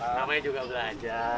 namanya juga belajar